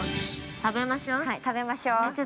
◆食べましょう。